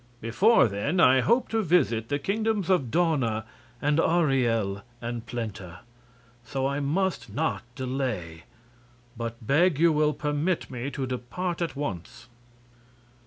Before then I hope to visit the Kingdoms of Dawna and Auriel and Plenta; so I must not delay, but beg you will permit me to depart at once."